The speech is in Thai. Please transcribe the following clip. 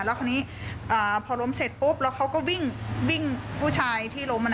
แล้วคราวนี้พอล้มเสร็จปุ๊บแล้วเขาก็วิ่งผู้ชายที่ล้ม